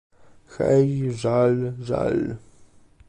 "Hej, żal, żal!"